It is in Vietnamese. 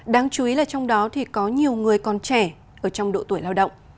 đáng chú ý là trong đó thì có nhiều người còn trẻ ở trong độ tuổi lao động